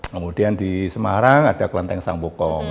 kemudian di semarang ada kelanteng sang pokong